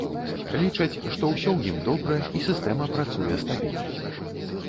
Лічаць, што ўсё ў ім добра, і сістэма працуе стабільна.